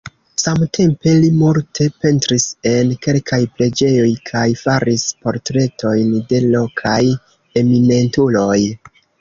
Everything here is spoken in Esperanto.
Samtempe li multe pentris en kelkaj preĝejoj kaj faris portretojn de lokaj eminentuloj.